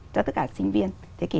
cho tất cả sinh viên thế kỷ hai mươi một